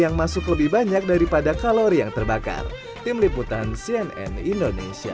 yang masuk lebih banyak daripada kalori yang terbakar tim liputan cnn indonesia